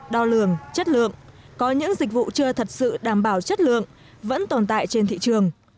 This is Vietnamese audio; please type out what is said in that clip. đo lường chất lượng có những dịch vụ chưa thật sự đảm bảo chất lượng vẫn tồn tại trên thị trường